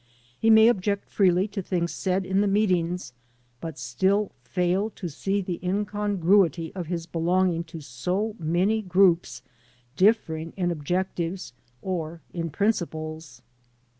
He may object freely to things said in the meetings but still fail to see the incongruity of his be longing to so many groups differing in objectives or in principles.